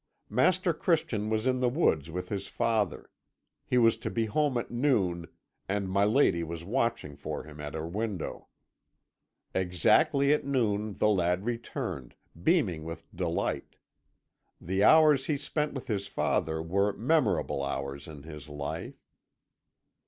Master Christian was in the woods with his father; he was to be home at noon, and my lady was watching for him at her window. "Exactly at noon the lad returned, beaming with delight; the hours he spent with his father were memorable hours in his life.